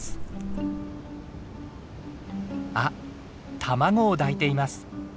あっ卵を抱いています。